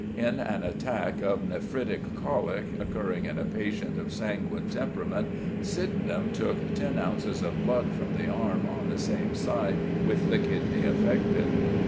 In an attack of nephritic colic occurring in a patient of sanguine temperament, Sydenham took ten ounces of blood from the arm on the same side with the kidney affected.